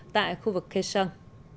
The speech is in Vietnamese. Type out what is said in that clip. tại khu vực khe sang